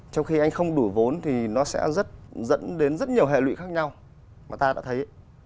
trong khi anh không đủ vốn thì nó sẽ dẫn đến rất nhiều hệ lụy khác nhau mà ta đã thấy